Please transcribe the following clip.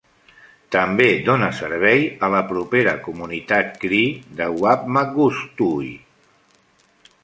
També dona servei a la propera comunitat Cree de Whapmagoostui.